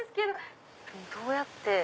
どうやって？